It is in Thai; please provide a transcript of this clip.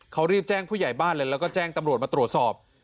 เขารีบแจ้งผู้ใหญ่บ้านเลยแล้วก็แจ้งตำรวจมาตรวจสอบ